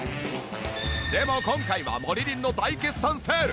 でも今回はモリリンの大決算セール。